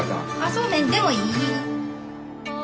そうめんでもいい。